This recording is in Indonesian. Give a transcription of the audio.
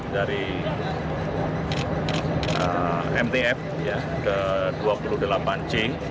dari mtf ke dua puluh delapan c